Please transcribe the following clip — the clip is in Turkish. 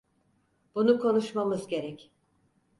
Bunu konuşmamız gerek.